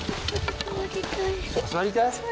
座りたい？